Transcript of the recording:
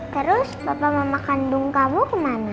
terus bapak mama kandung kamu kemana